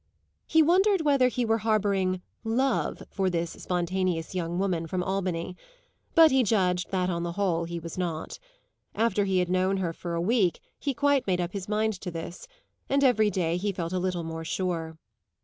He wondered whether he were harbouring "love" for this spontaneous young woman from Albany; but he judged that on the whole he was not. After he had known her for a week he quite made up his mind to this, and every day he felt a little more sure.